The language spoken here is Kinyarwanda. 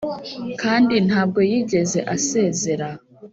kandi ntabwo yigeze asezera